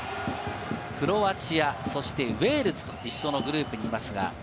クロアチア、ウェールズと一緒のグループにいます。